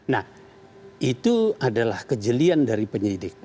nah itu adalah kejelian dari penyidik